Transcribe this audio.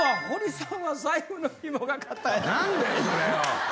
何だよ？